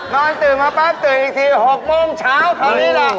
นอนตื่นมาปั๊บตื่นอีกที๖โมงเช้าเขานี่แหละ